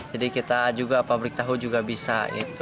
jadi kita juga pabrik tahu juga bisa